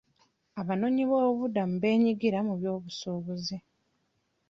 Abanoonyiboobubudamu beenyigira mu byobusuubuzi.